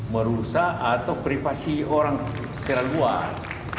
merusak atau privasi orang secara luas